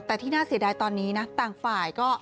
แต่ที่น่าเสียดายตอนนี้นะต่างฝ่ายก็